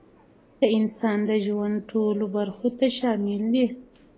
د انسان د ژوند ټولو برخو ته شامل دی،